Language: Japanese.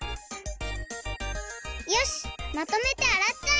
よしまとめてあらっちゃえ！